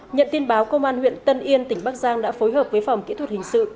nhận tin báo công an huyện tân yên tỉnh bắc giang đã phối hợp với phòng kỹ thuật hình sự